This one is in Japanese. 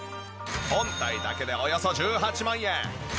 本体だけでおよそ１８万円。